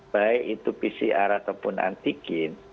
baik itu pcr ataupun antigen